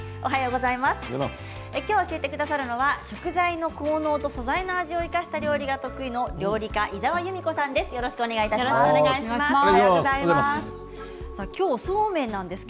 きょう教えてくださるのは食材の効能と素材の味を生かした料理が得意の料理家、井澤由美子さんです。